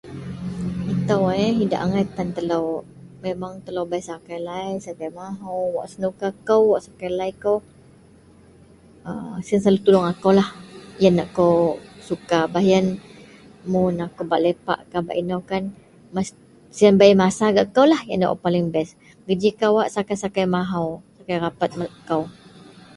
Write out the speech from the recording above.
Itou eh idak angai tan telou bei memang sakai lai sakai mahou wak senuka kou, wak sakai lai kou, aaa siyen selalu tuluong akoulah, yen akou suka. Baih yen mun akou bak lepakkah bak inou kan, siyen bei masa gak koulah, yen wak paling bes. Geji kawak sakai-sakai mahou, sakai rapet kou